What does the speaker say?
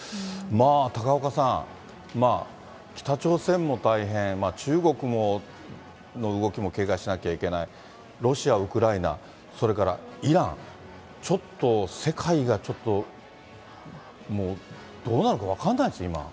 まあ、高岡さん、北朝鮮も大変、中国の動きも警戒しなきゃいけない、ロシア、ウクライナ、それからイラン、ちょっと世界がちょっと、もうどうなるか分からないですね、今。